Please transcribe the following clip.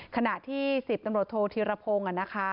ขณะที่สิทธิ์ตำรวจโทษธิระโพงนะคะ